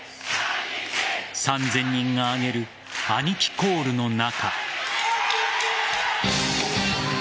３０００人が上げるアニキコールの中。